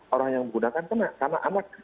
orang yang menggunakan kena karena anak